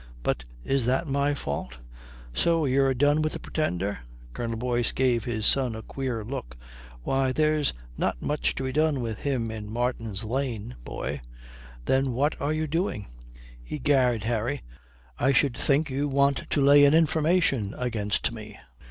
But is that my fault?" "So you're done with the Pretender?" Colonel Boyce gave his son a queer look. "Why, there's not much to be done with him in Martin's Lane, boy." "Then what are you doing?" "Egad, Harry, I should think you want to lay an information against me.